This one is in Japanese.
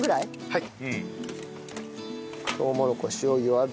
はい。